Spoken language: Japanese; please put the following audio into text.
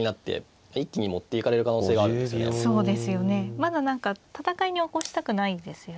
まだ何か戦いに起こしたくないですよね。